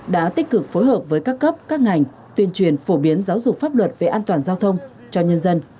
đã tích cực phối hợp với các cấp các ngành tuyên truyền phổ biến giáo dục pháp luật về an toàn giao thông cho nhân dân